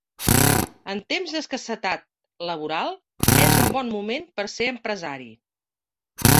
En temps d'escassetat laboral, és un bon moment per ser empresari.